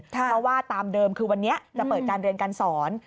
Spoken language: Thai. เพราะว่าตามเดิมคือวันนี้จะเปิดการเรียนการสอน